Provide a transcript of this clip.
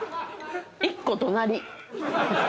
１個隣。